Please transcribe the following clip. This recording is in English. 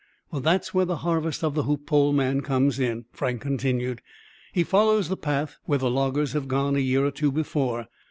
"Well, that's where the harvest of the hoop pole man comes in," Frank continued. "He follows the path where the loggers have gone a year or two before.